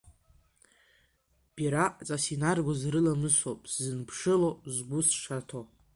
Бираҟҵас инаргоз рыламысоуп, сзынԥшыло, згәы сшаҭо.